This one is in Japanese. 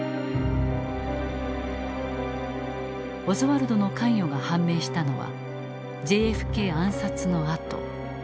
オズワルドの関与が判明したのはＪＦＫ暗殺のあと。